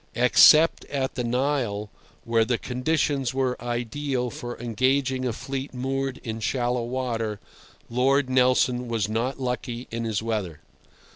Except at the Nile, where the conditions were ideal for engaging a fleet moored in shallow water, Lord Nelson was not lucky in his weather.